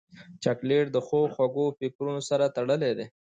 چاکلېټ د ښو خوږو فکرونو سره تړلی دی.